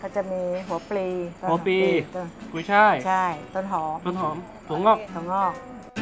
เขาก็จะมีหัวปลีกุ้งชายต้นหอมถั่วงอก